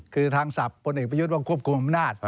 คือทางศัพท์พลเอกประยุทธ์ว่าควบคุมอำนาจ